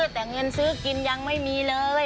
แต่เงินซื้อกินยังไม่มีเลย